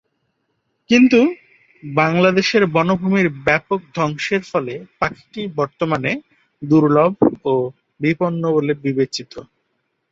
কিন্তু বাংলাদেশের বনভূমির ব্যাপক ধ্বংসের ফলে পাখিটি বর্তমানে দুর্লভ ও বিপন্ন বলে বিবেচিত।